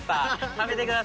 食べてください。